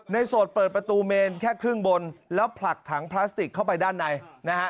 โสดเปิดประตูเมนแค่ครึ่งบนแล้วผลักถังพลาสติกเข้าไปด้านในนะฮะ